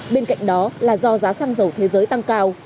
bên cạnh đó là do giá xăng dầu thế giới tăng cao